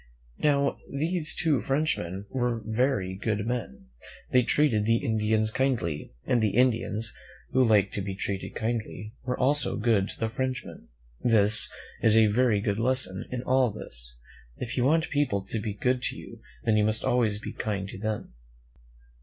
Now, these two Frenchmen were very good men. They treated the Indians kindly, and the Indians, who liked to be treated kindly, were also good to the Frenchmen. There is a very good lesson in all this. If you want people to be good to you, then you must always be kind to them.